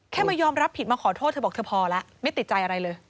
ก็ไม่ติดใจอะไรเลย